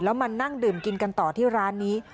แล้วมานั่งดื่มกินกันต่อที่ร้านนี้